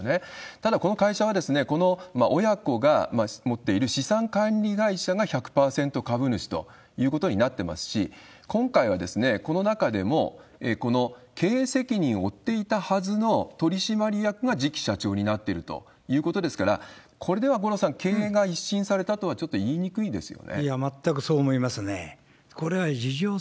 ただ、この会社は、この親子が持っている資産管理会社が１００％株主ということになってますし、今回はこの中でも経営責任を負っていたはずの取締役が次期社長になっているということですから、これでは五郎さん、経営が一新されたとはちょっと言いにくいですよね。